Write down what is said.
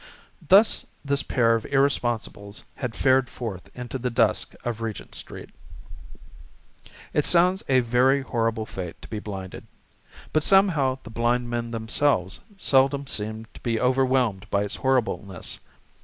Thus this pair of irresponsibles had fared forth into the dusk of Regent Street. It sounds a very horrible fate to be blinded. But somehow the blind men themselves seldom seem to be overwhelmed by its horribleness.